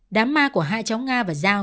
đám ma của hai cháu nga và giao